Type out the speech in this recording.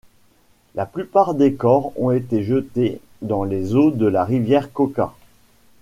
La plupart des corps ont été jetés dans les eaux de la Rivière Cauca.